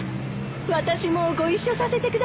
私もご一緒させてください。